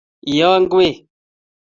iyoi ngwek